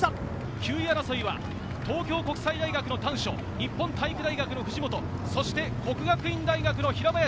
９位争いは東京国際大学・丹所、日本体育大学の藤本、そして國學院大學の平林。